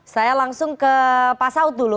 saya langsung ke pasaut dulu